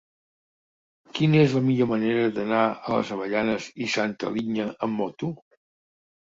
Quina és la millor manera d'anar a les Avellanes i Santa Linya amb moto?